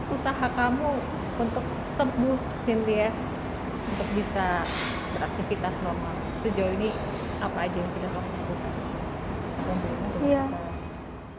usaha kamu untuk sembuh intinya untuk bisa beraktivitas normal sejauh ini apa aja yang sudah kamu lakukan